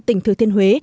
tỉnh thứ thiên huế